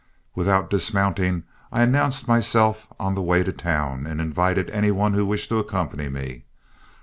Without dismounting, I announced myself as on the way to town, and invited any one who wished to accompany me.